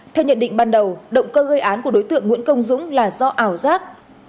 theo nhận định ban đầu động cơ gây án của đối tượng nguyễn công dũng là do ảo giác